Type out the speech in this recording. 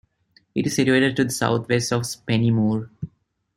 It is situated to the south west of Spennymoor.